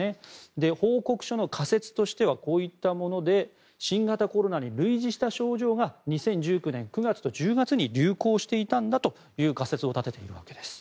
報告書の仮説としては新型コロナに類似した症状が２０１９年９月と１０月に流行していたんだという仮説を立てたわけです。